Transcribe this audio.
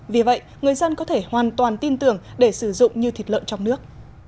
vì vậy người dân có thể hoàn toàn tin tưởng để sử dụng như thịt lợn trong nước